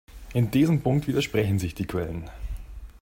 In diesem Punkt widersprechen sich die Quellen.